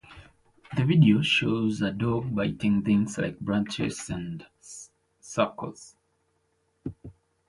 The video shows a dog biting things like branches and icicles.